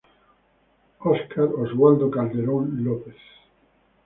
Oscar Oswaldo Calderón López.